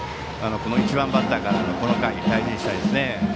１番バッターからのこの回を大事にしたいですね。